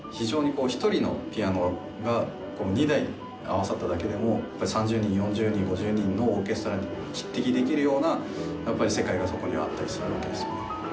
１人のピアノが２台合わさっただけでも３０人４０人５０人のオーケストラにも匹敵できるようなやっぱり世界がそこにはあったりするわけですよね。